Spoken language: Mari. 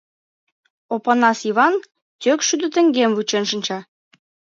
Опанас Йыван тек шӱдӧ теҥгем вучен шинча!